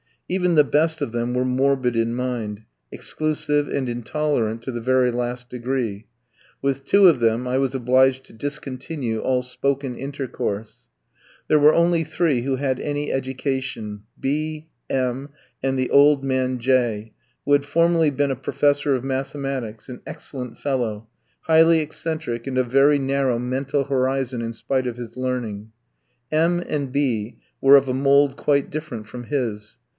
Even the best of them were morbid in mind, exclusive, and intolerant to the very last degree; with two of them I was obliged to discontinue all spoken intercourse. There were only three who had any education, B ski, M tski, and the old man, J ski, who had formerly been a professor of mathematics, an excellent fellow, highly eccentric, and of very narrow mental horizon in spite of his learning. M tski and B ski were of a mould quite different from his.